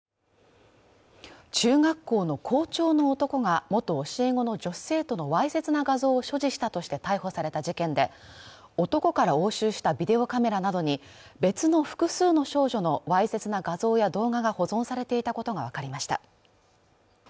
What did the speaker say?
中学校の校長の男が元教え子の女子生徒のわいせつな画像を所持したとして逮捕された事件で男から押収したビデオカメラなどに別の複数の少女のわいせつな画像や動画が保存されていたことが分かりました